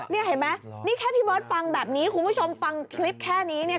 นี่เห็นไหมนี่แค่พี่เบิร์ตฟังแบบนี้คุณผู้ชมฟังคลิปแค่นี้เนี่ย